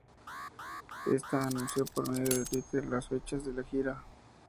Esta anunció por medio de Twitter las fechas de la gira.